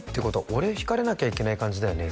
「俺ひかれなきゃいけない感じだよね？」